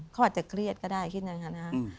เขาอาจจะเครียดก็ได้คิดอย่างนั้นนะครับ